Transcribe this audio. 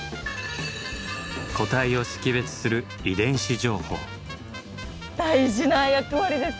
個体を識別する遺伝子情報。